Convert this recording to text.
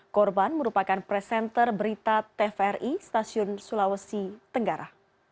korban merupakan presenter berita tvri stasiun sulawesi tenggara